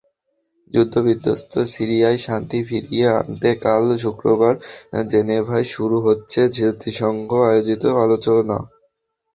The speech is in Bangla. যুদ্ধবিধ্বস্ত সিরিয়ায় শান্তি ফিরিয়ে আনতে কাল শুক্রবার জেনেভায় শুরু হচ্ছে জাতিসংঘ আয়োজিত আলোচনা।